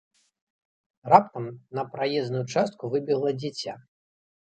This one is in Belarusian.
Раптам на праезную частку выбегла дзіця.